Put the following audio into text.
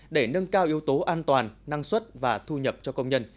để nâng cao yếu tố an toàn năng suất và thu nhập cho công nhân